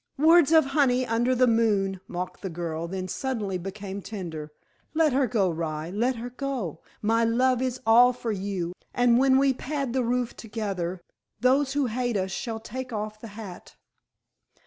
"Words of honey under the moon," mocked the girl, then suddenly became tender. "Let her go, rye, let her go. My love is all for you, and when we pad the hoof together, those who hate us shall take off the hat."